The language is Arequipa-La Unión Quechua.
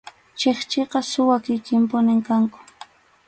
Chikchiqa suwa kikinpunim kanku.